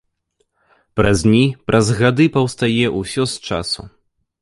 Праз дні, праз гады паўстае ўсё з часу!